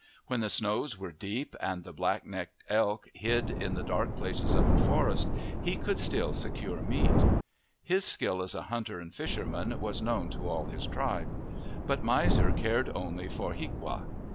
When the snows were deep and the black necked elk hid in the dark places of the forest, he could still secure meat. His skill as a hunter and fisherman was known to all his tribe. But Miser cared only for hiaqua.